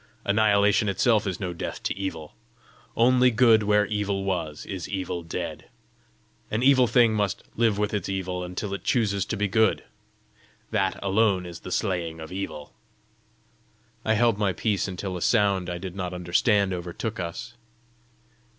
Annihilation itself is no death to evil. Only good where evil was, is evil dead. An evil thing must live with its evil until it chooses to be good. That alone is the slaying of evil." I held my peace until a sound I did not understand overtook us.